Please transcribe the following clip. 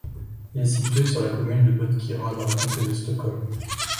Elle est située sur la commune de Botkyrka, dans le Comté de Stockholm.